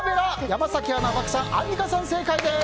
山崎アナ、漠さん、アンミカさん正解です。